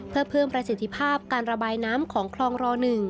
เพื่อเพิ่มประสิทธิภาพการระบายน้ำของคลองร๑